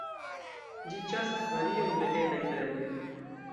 Ĝi ĉasas varion de etaj predoj.